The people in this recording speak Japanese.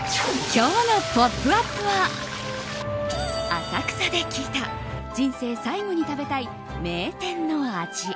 今日の「ポップＵＰ！」は浅草で聞いた人生最後に食べたい名店の味。